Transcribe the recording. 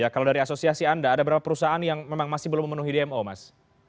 jadi bagaimana dengan asosiasi anda ada berapa perusahaan yang memang masih belum memenuhi dmo mas